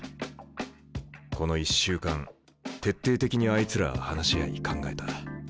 この１週間徹底的にあいつらは話し合い考えた。